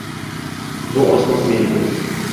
Bu osmon – meniki!